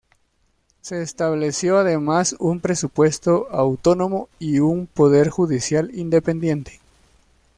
Se estableció además un presupuesto autónomo y un poder judicial independiente.